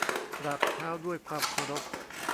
กราบเท้าด้วยความเคารพ